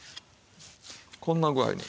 こんな具合に。